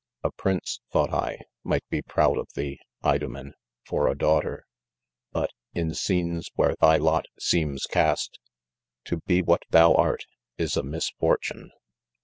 s • A prince, thought I, might be proud of thee, Idomen, for a daughter; but, in scenes where thy lot seems cast, to be what thou art is a misfortune.